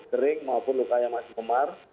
kering maupun luka yang masih memar